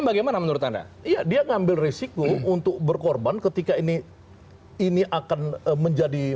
bagaimana menurut anda iya dia ngambil risiko untuk berkorban ketika ini ini akan menjadi